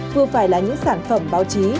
vừa phải là những sản phẩm báo chí